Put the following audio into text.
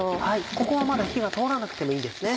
ここはまだ火は通らなくてもいいんですね。